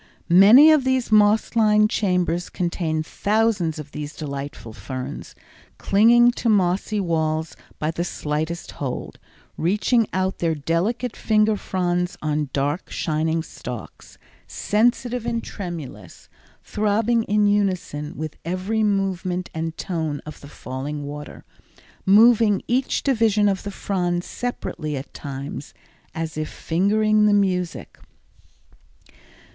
Many of these moss lined chambers contain thousands of these delightful ferns, clinging to mossy walls by the slightest hold, reaching out their delicate finger fronds on dark, shining stalks, sensitive and tremulous, throbbing in unison with every movement and tone of the falling water, moving each division of the frond separately at times, as if fingering the music.